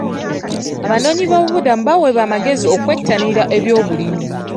Abanoonyiboobubudmu baaweebwa amagezi okwettanira ebyobulimi.